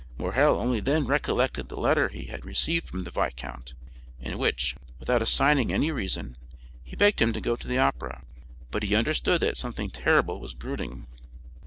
Morrel only then recollected the letter he had received from the viscount, in which, without assigning any reason, he begged him to go to the Opera, but he understood that something terrible was brooding.